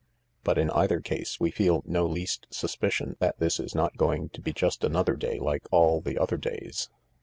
But in either case we feel no least suspicion that this is not going to be just another day like all the other days.